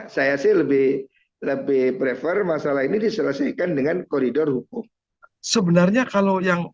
saya sih lebih lebih prefer masalah ini diselesaikan dengan koridor hukum sebenarnya kalau yang